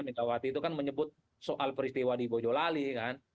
megawati itu kan menyebut soal peristiwa di bojolali kan